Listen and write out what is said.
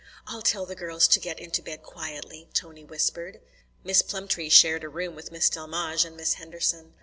"I'll tell the girls to get into bed quietly," Tony whispered. Miss Plumtree shared a room with Miss Delmege and Miss Henderson.